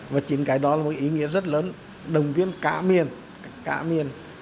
và chính cái đó là một ý nghĩa rất lớn đồng viên cả miền